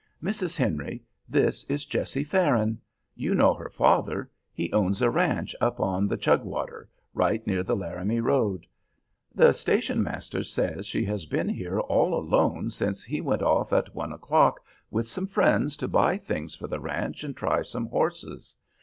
"Mrs. Henry, this is Jessie Farron. You know her father; he owns a ranch up on the Chugwater, right near the Laramie road. The station master says she has been here all alone since he went off at one o'clock with some friends to buy things for the ranch and try some horses.